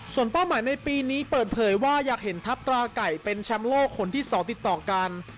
ส่วนเป้าหมายในปีนี้เปิดเผยว่าอยากเห็นทัพตราไก่เป็นแชมป์โลกคนที่๒ติดต่อกัน